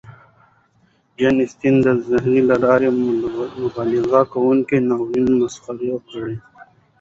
جین اسټن د طنز له لارې مبالغه کوونکي ناولونه مسخره کړل.